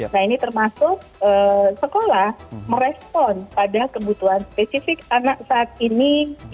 nah ini termasuk sekolah merespon pada kebutuhan spesifik anak saat ini